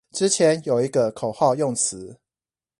之前有一個口號用詞